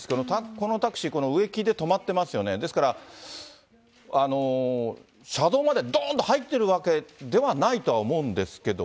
このタクシー、この植木で止まってますよね、ですから、車道までどんと入ってるわけではないと思うんですけど。